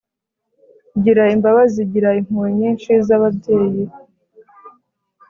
Gira imbabazi gira impuhwe nyinshi z’ababyeyi